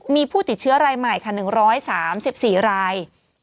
มีผู้ติดเชื้อรายใหม่ค่ะ๑๓๔ราย